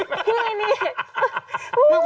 โอ้โหคืออะไรเนี่ย